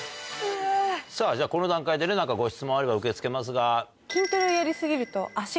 さぁじゃあこの段階でね何かご質問あれば受け付けますが。